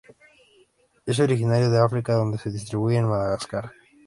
Es originario de África donde se distribuye en Madagascar.